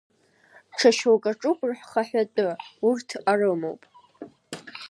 Ҽа шьоук аҿуп рхаҳәатәы, урҭ арымоуп.